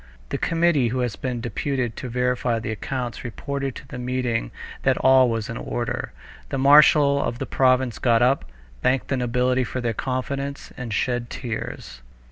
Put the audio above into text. The committee who had been deputed to verify the accounts reported to the meeting that all was in order. The marshal of the province got up, thanked the nobility for their confidence, and shed tears.